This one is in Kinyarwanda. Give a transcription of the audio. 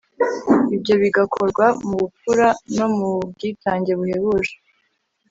ibyo bigakorwa mu bupfura no mu bwitange buhebuje